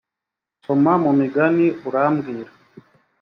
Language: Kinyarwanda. soma mumigani urambwira.